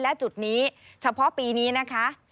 และจุดนี้เฉพาะปีนี้นะคะ